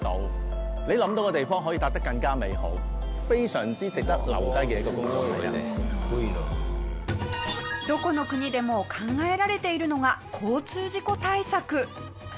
さらにどこの国でも考えられているのが交通事故対策。